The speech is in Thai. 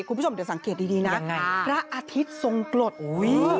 คุณผู้ชมเดี๋ยวสังเกตดีดีนะพระอาทิตย์ทรงกรดอุ้ย